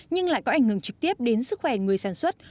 nhưng lại có ảnh hưởng trực tiếp đến sức khỏe người sản xuất